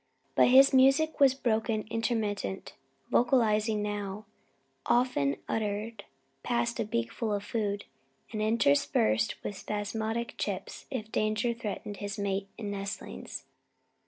But his music was broken intermittent vocalizing now, often uttered past a beakful of food, and interspersed with spasmodic "chips" if danger threatened his mate and nestlings.